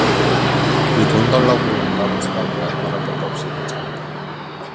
그 돈 달라고 온다는 사람이란 말할 것도 없이 빗장이다.